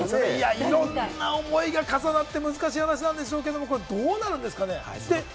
いろんな思いが重なって難しい話なんでしょうけれども、どうなるんですかね？